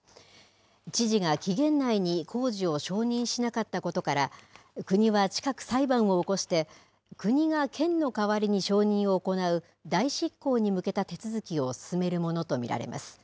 知事が期限内に工事を承認しなかったことから、国は近く裁判を起こして、国が県の代わりに承認を行う代執行に向けた手続きを進めるものと見られます。